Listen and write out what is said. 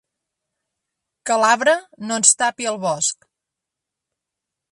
Que l’arbre no ens tapi el bosc.